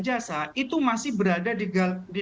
jasa itu masih berada di